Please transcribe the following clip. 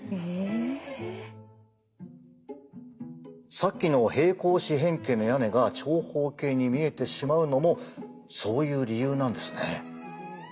さっきの平行四辺形の屋根が長方形に見えてしまうのもそういう理由なんですね。